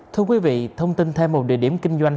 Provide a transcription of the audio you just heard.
thưa quý vị thông tin thêm một địa điểm kinh doanh